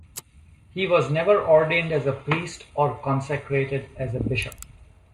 He was never ordained as a priest or consecrated as a bishop.